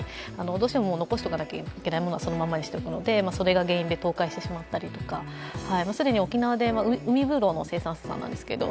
どうしても残しておかなきゃいけないものはそのままにしておくのでそれが原因で倒壊してしまったりとか、既に沖縄では、海ぶどうの生産者なんですけど